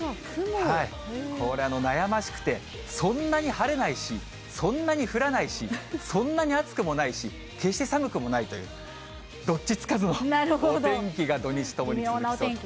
これ、悩ましくて、そんなに晴れないし、そんなに降らないし、そんなに暑くもないし、決して寒くもないという、どっちつかずのお天気が、土日ともに続きそうです。